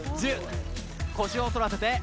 腰をそらせて。